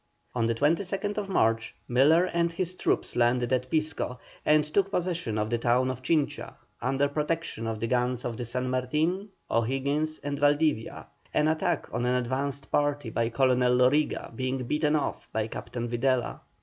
On the 22nd March Miller and his troops landed at Pisco, and took possession of the town of Chincha, under protection of the guns of the San Martin, O'Higgins, and Valdivia, an attack on an advanced party by Colonel Loriga being beaten off by Captain Videla.